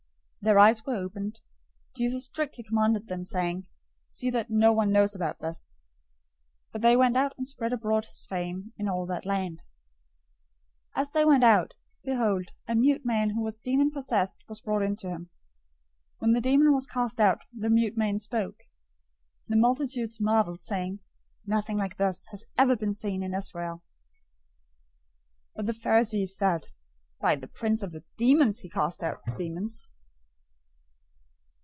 009:030 Their eyes were opened. Jesus strictly charged them, saying, "See that no one knows about this." 009:031 But they went out and spread abroad his fame in all that land. 009:032 As they went out, behold, a mute man who was demon possessed was brought to him. 009:033 When the demon was cast out, the mute man spoke. The multitudes marveled, saying, "Nothing like this has ever been seen in Israel!" 009:034 But the Pharisees said, "By the prince of the demons, he casts out demons."